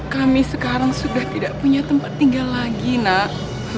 kami sekarang sudah tidak punya tempat tinggal lagi nak